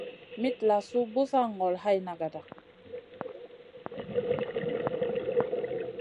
Mitlasou busa ŋolo hay nagata.